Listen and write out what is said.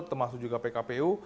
termasuk juga pkpu